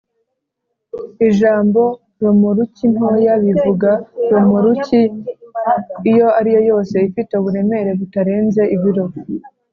ijambo’’romoruki ntoya’’bivuga romoruki iyo ariyo yose ifite uburemere butarenze ibiro